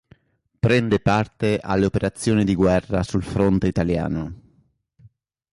Prende parte alle operazioni di guerra sul fronte italiano.